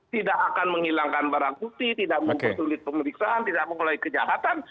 tidak akan menghilangkan barang bukti tidak mempersulit pemeriksaan tidak memulai kejahatan